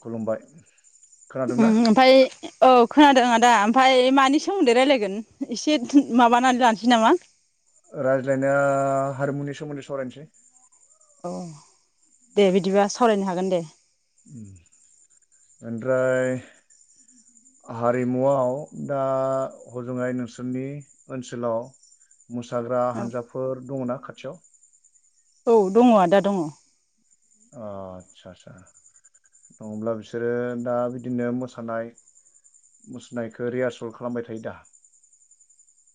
खुलुमबाय उम खोनादोंना ओमफ्राय औ खोनादों आदा ओमफ्राय मानि सोमोन्दै रायजलायगोन एसे माबानानै लानोसै नामा? रायज्लायनाया हारिमुनि सोमोन्दै सावरायनोसै। औ दे बिदिबा सावरायनो हागोन दे। ओमफ्राय हारिमुआव दा हजोंहाय नोंसोरनि ओनसोलाव मोसाग्रा औ हानजाफोर दङना खाथियाव? औ दङ आदा दङ। आतसा आतसा नङाब्ला बिसोरो दा बिदिनो मोसानाय मुसनायखौ रिहार्सेल खालामबाय थायो दा।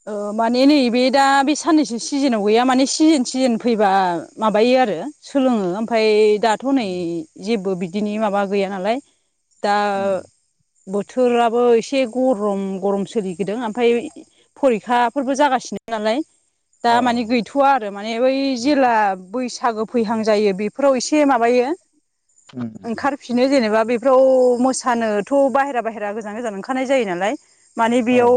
माने नैबे दा बे साननैसो सिजोनाव गैया माने सिजेन सिजोन फैबा माबायो आरो सोलोङो ओमफ्राय दाथ नै जेबो बिदिनि माबा गैया नालाय। दा बोथोराबो एसे गरम गरम सोलिबोदों ओमफ्राय फरिखाफोरबो जागासिनो नालाय। दा मानिे गैथवा आरो माने बै जेला बैसागो फैहां जायो बेफोराव एसे माबायो ओंखारफिनो जेनेबा बे बेफ्राव मोसानोथ बाहेरा बाहेरा गोजान गोजान ओंखारनाय जायो नालाय। माने अ औ बेयाव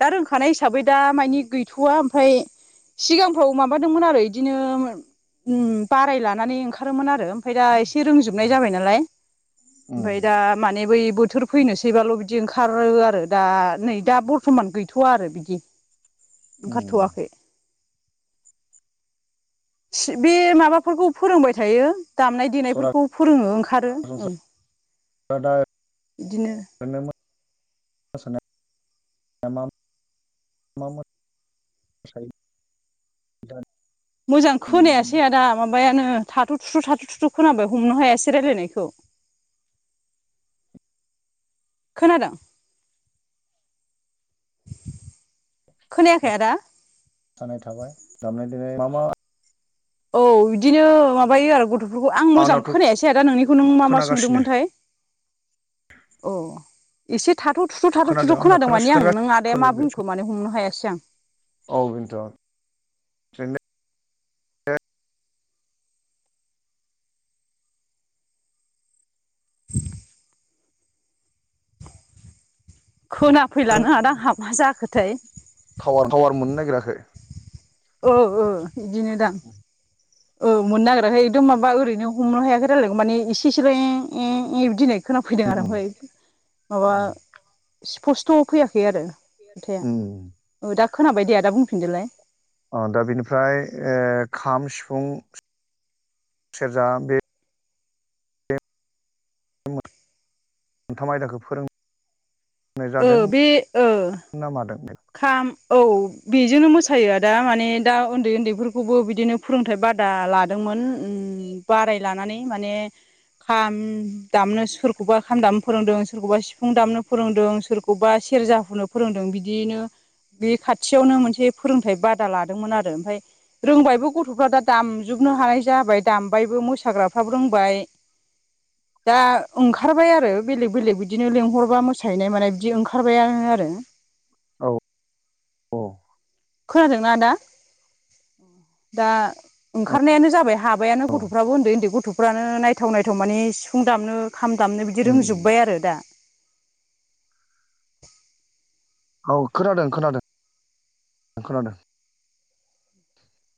दा रोंखानाय हिसाबै दा मानिे गैथवा ओमफ्राय सिगांफ्राव माबादोंमोन आरो बिदिनो उम बाराय लानानै ओंखारोमोन आरो ओमफ्राय दा एसे रोंजोबनाय जाबाय नालाय ओमफाय दा माने बै बोथोर फैनोसैबाल' बिदि ओंखारो आरो दा नै दा बरथमान गैथ थवा आरो बिदि ओंखारथवाखै बे माबाफोरखौ फोरोंबाय थायो दामनाय देनायफोरखौ फोरोङो ओंखारो ओं सरासनस्रा [unintelligible] [unintelligible] मोजां खोनायासै आदा माबायानो थाथ थुथु थाथ थुथु खोनाबाय हमनो हायासै रायलायनायखौ खोनादों खोनायाखै आदा मोसानाय थाबाय दामनाय देनाय मा मा औ इदिनो माबायो आरो गथफोरखौ आं मोजां आंनावथ' खोनायासै आदा नोंनिखौ नों मा मा खोनागासिनो सोंदोंमोनथाय अ एसे थाथ थुथु थाथ थुथु आंना खोनादों माने आं नों आदाया मा बुंखो खोनागासिनो मान हमनो हायासै [unintelligible] औ बेनोथ खोनाफैलानो आदा आंहा मा जाखोथाय थावार थावार मोननो नागिराखै औ औ बिदिनो दां औ मोननो नागिराखै एकदम माबा ओरैनो हमनो हायाखै रायलायनायखौ माने इसेसेल ए ए ए बिदि होनख खोनाफैदों आरो उम ओमफफ्राय माबा स्पस्थ फैयाखै आरो खोथाया उम ओ दा खोनाबाय दे आदा बुंफिनदोलाय अ दा बिनिफ्राय ओ खाम सिफुं सेरजा बे मोनथाम आयदाखौ फोरों ओ बे ओ ना मादों खाम औ बेजोंनो मोस फोथायो आदा माने दा ओन्दै औन्दैफोरखौबो बिदिनो फोरोंथाइ बादा लादोंमोन उम बाराय लानानै माने खाम दामनो सोरखौबा खाम दामनो फोरोंदों सोरखौबा सिफुं दामनो फोरोंदों सोरखौबा सेरजा हुनो फोरोंदों बिदियैनो बे खाथियावनो मोनसे फोरोंथाय बादा लादोंमोन आरो ओमफ्राय रों बायबो गथ'फ्रा दा दामजोबनो हानाय जाबाय दामबायबो मोसाग्राफ्राबो रोंबाय दा ओंखारबाय आरो बेलेग बेलेग बिदिनो लेंंहरबा मोसाहैनाय माने बिदि ओंखारबायानो आरो औ औ खोनादोंना आदा दा ओंखारनायानो जाबाय हाबायानो औ गथ'फ्राबो उन्दै उन्दै गथ'फ्रानो नायथाव नायथाव माने सिफुं दामनो खाम दामनो बिदि उम उम रोंजोबबाय आरो दा औ खोनादों खोनादों खोनादों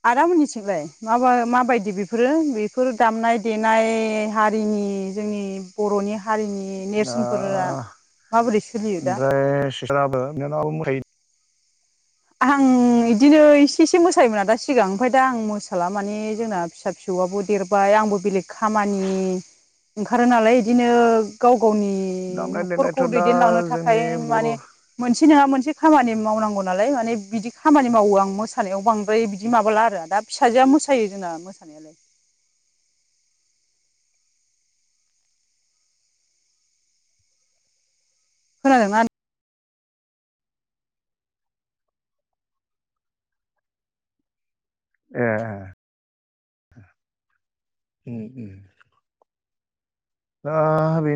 आदामोननिथिंलाय माबा माबायदि बेफोरो बेफोर दामनाय देनाय हारिनि नि जोंनि बर'नि हारिनि दा नेरसोनफोरा माबोरै सोलियो दा ओमफ्राय सिस्टाराबो बिनानावाबो मोसायो आं बिदिनो इसे इसे मोसायोमोन दा सिगां ओमफ्राय दा आं मोसाला माने जोंना फिसा फिसौ [unintelligible] देरबाय आंबो बेलेग खामानि ओंखारो नालाय बिदिनो गाव गावनि दामनाय न'खरखौ देनायाथ' दा दैदेनलांनो थाखाय जोंनि बर' माने मोनसे नाङा मोनसे खामानि मावनांगौ नालाय माने बिदि खामानि मावो आं मोसानायाव बांद्राय बिदि माबाला आरो दा फिसाजोआ मोसायो जोंना मोसानायालाय [inaudible] खोनादों ना ए उम उम आ बेनो